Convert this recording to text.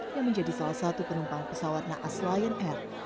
yang menjadi salah satu penumpang pesawat naas line r